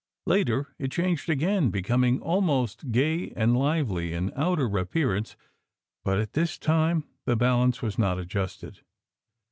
Later, it changed again, becoming almost gay and lively in outer appearance, but at this time the balance was not adjusted.